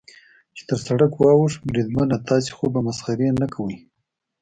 چې تر سړک واوښت، بریدمنه، تاسې خو به مسخرې نه کوئ.